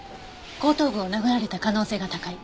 後頭部を殴られた可能性が高い。